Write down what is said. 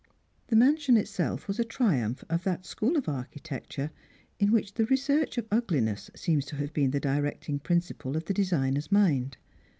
The mansion itself was a triumph of that school of architecture in which the research of ugliness seems to have been the directing principle of the designer's mind.